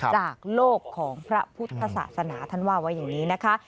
จากโลกของพระพุทธศาสนาท่านว่าไว้อย่างนี้นะคะ